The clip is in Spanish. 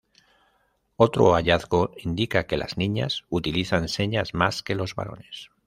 Otro hallazgo indica que las niñas utilizan señas más que los varones.